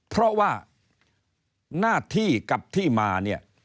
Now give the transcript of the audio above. เพราะว่าหน้าที่กับที่มาเนี่ย